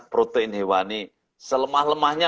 protein hewani selemah lemahnya